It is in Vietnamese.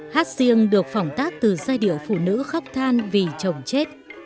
hát riêng được phỏng tác từ giai điệu phụ nữ khóc than vì chồng chết